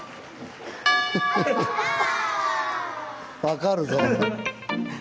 分かるぞ。